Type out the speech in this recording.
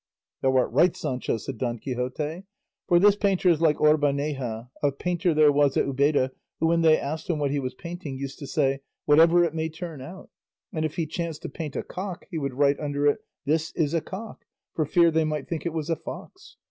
"Thou art right, Sancho," said Don Quixote, "for this painter is like Orbaneja, a painter there was at Ubeda, who when they asked him what he was painting, used to say, 'Whatever it may turn out; and if he chanced to paint a cock he would write under it, 'This is a cock,' for fear they might think it was a fox.